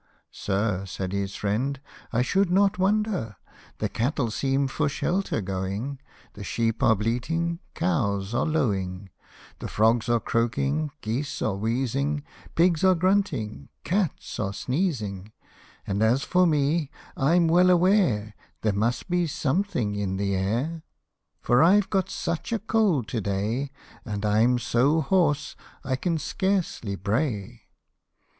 " Sir," said his friend, " I should not wonder ; The cattle seem for shelter going, The sheep are bleating, cows are lowing, The frogs are croaking, geese are wheezing, Pigs ais grunting, cats are sneezing, And as for me, I'm well aware, There must be something in the air ; P 95 The Old Woman fr the Deathwatch. The Donkey's Dialogue. 97 For I've got such a cold to day, And am so hoarse, I can scarce bray."